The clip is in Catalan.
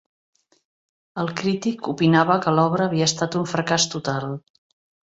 El crític opinava que l'obra havia estat un fracàs total.